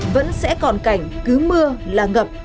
vẫn sẽ còn cảnh cứ mưa là ngập